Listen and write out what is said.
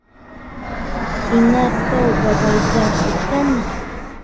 Һиңә тол бабайҙар бөткәнме?